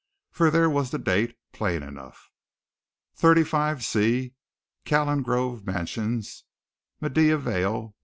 For there was the date, plain enough. "35c, Calengrove Mansions, "Maida Vale, W.